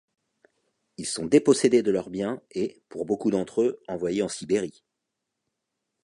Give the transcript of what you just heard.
Ils sont dépossédés de leurs biens et, pour beaucoup d'entre eux, envoyés en Sibérie.